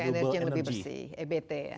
ke energy yang lebih bersih ebt ya